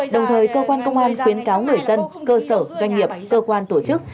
đồng thời cơ quan công an khuyến cáo người dân cơ sở doanh nghiệp cơ quan tổ chức